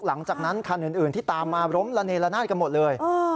หลังจากนั้นคันอื่นที่ตามมาล้มละเนละนาดกันหมดเลย